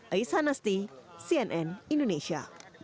ais hanasti cnn indonesia